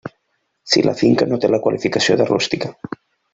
Si la finca no té la qualificació de rústica.